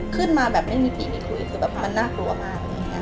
ขึ้นมาแบบไม่มีผีมีคุยคือแบบมันน่ากลัวค่ะ